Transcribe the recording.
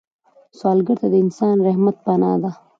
سوالګر ته د انسان رحمت پناه ده